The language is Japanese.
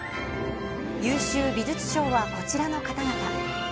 優秀美術賞はこちらの方々。